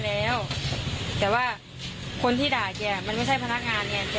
แล้วที่มันก็ไม่ใช่ที่มันก็ไม่ใช่ที่มันก็ไม่ใช่